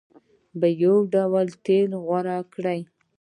په یو ډول تېلو غوړ کړ.